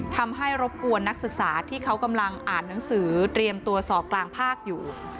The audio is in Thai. รบกวนนักศึกษาที่เขากำลังอ่านหนังสือเตรียมตัวสอบกลางภาคอยู่